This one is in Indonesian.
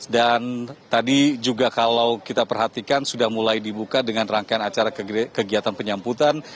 dan tadi juga kalau kita perhatikan sudah mulai dibuka dengan rangkaian acara kegiatan penyamputan